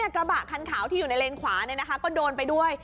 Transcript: กระบะคันขาวที่อยู่ในเลนขวาก็โดนไปด้วย